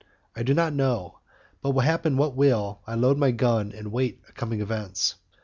I do not know, but happen what will, I load my gun and await coming events.